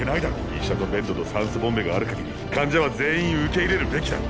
医者とベッドと酸素ボンベがある限り患者は全員受け入れるべきだ。